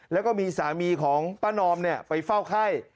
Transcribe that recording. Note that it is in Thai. แล้วก็มีสามีของป้านอมไปเฝ้าไข้